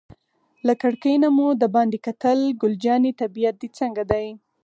له کړکۍ نه مو دباندې کتل، ګل جانې طبیعت دې څنګه دی؟